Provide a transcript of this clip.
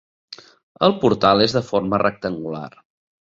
El portal és de forma rectangular.